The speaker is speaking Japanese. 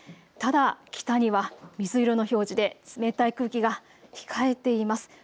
ただ北には水色の表示で冷たい空気が控えています。